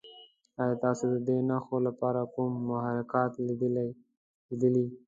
ایا تاسو د دې نښو لپاره کوم محرکات لیدلي؟